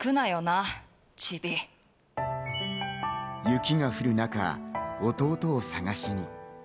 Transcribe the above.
雪が降る中、弟を捜しに。